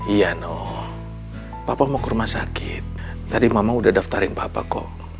iya noh papa mau ke rumah sakit tadi mama udah daftarin bapak kok